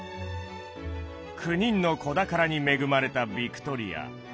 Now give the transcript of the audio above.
９人の子宝に恵まれたヴィクトリア。